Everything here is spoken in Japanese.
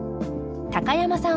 高山さん